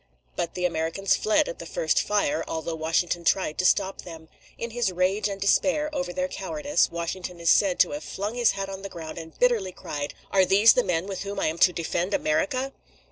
But the Americans fled at the first fire, although Washington tried to stop them. In his rage and despair over their cowardice, Washington is said to have flung his hat on the ground, and bitterly cried: "Are these the men with whom I am to defend America?"